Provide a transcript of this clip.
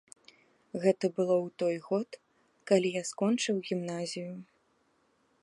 Гэта было ў той год, калі я скончыў гімназію.